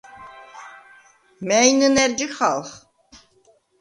მა̈ჲ ნჷნა̈რ ჯიხალხ?